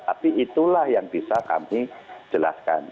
tapi itulah yang bisa kami jelaskan